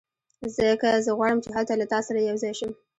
ځکه زه غواړم چې هلته له تا سره یو ځای شم